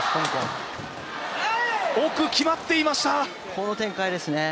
この展開ですね。